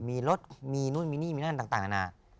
มีรถมีนู่นนี่นั่นต่างน้าน่ะ